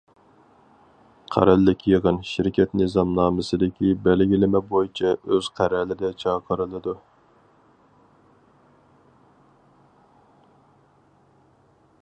قەرەللىك يىغىن شىركەت نىزامنامىسىدىكى بەلگىلىمە بويىچە ئۆز قەرەلىدە چاقىرىلىدۇ.